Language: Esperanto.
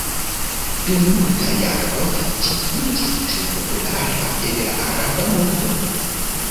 Dum multaj jaroj ĝi iĝis tre populara en la araba mondo.